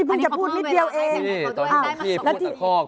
คุณจะพูดนิดเดียวเอง